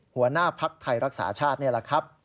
หัวหน้าภักดิ์ไทยรักษาชาตินี่แหละครับ